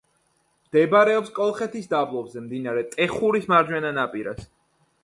მდებარეობს კოლხეთის დაბლობზე, მდინარე ტეხურის მარჯვენა ნაპირას.